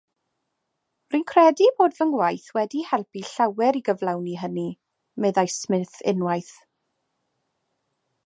Rwy'n credu bod fy ngwaith wedi helpu llawer i gyflawni hynny, meddai Smith unwaith.